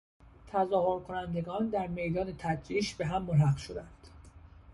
تظاهرکنندگان در میدان تجریش به هم ملحق شدند.